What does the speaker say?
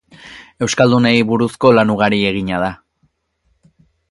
Euskaldunei buruzko lan ugari egina da.